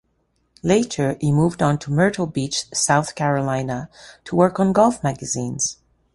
Later he moved on to Myrtle Beach, South Carolina to work on golf magazines.